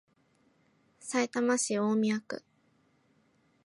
さいたま市大宮区